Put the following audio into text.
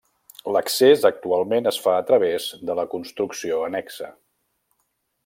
L'accés actualment es fa a través de la construcció annexa.